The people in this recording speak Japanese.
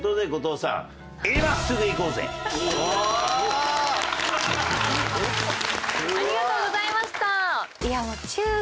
すごい！ありがとうございました。